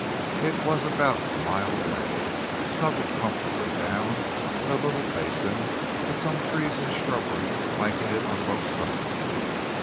It was about a mile away, snuggled comfortably down in a little basin, with some trees and shrubbery flanking it on both sides.